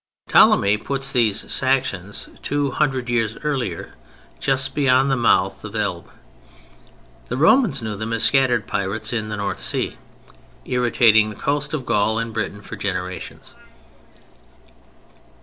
] Ptolemy puts these "Saxons" two hundred years earlier, just beyond the mouth of the Elbe; the Romans knew them as scattered pirates in the North Sea, irritating the coasts of Gaul and Britain for generations.